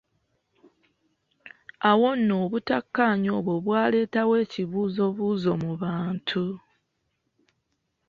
Awo nno obutakkaanya obwo bwaleetawo ekibuzoobuzo mu bantu.